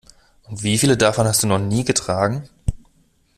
Und wie viele davon hast du noch nie getragen?